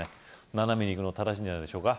斜めにいくの正しいんじゃないでしょうか